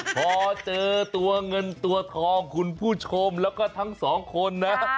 พอเจอตัวเงินตัวทองคุณผู้ชมแล้วก็ทั้งสองคนนะ